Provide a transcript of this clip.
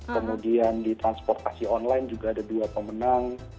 kemudian di transportasi online juga ada dua pemenang